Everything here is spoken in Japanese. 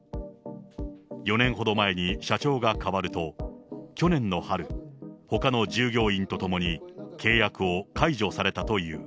４年ほど前に社長が代わると、去年の春、ほかの従業員と共に契約を解除されたという。